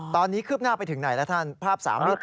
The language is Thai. ตอนนี้คืบหน้าไปถึงไหนแล้วท่านภาพ๓มิตร